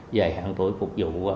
về hạn tuổi phục vụ